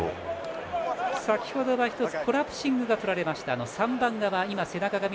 先程は１つコラプシングがとられました。